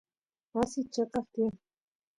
wasiy cheqap tiyan